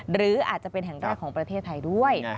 หรืออาจจะเป็นแห่งแรกของประเทศไทยด้วย